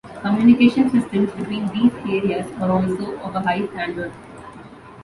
Communication systems between these areas are also of a high standard.